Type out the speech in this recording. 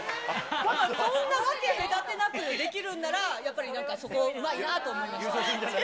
だからそんな分け隔てなくできるんだったら、やっぱりなんか、うまいなと思いました。